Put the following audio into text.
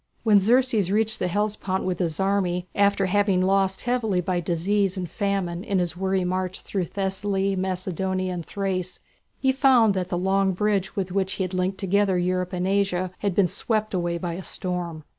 When Xerxes reached the Hellespont with his army, after having lost heavily by disease and famine in his weary march through Thessaly, Macedonia, and Thrace, he found that the long bridge with which he had linked together Europe and Asia had been swept away by a storm.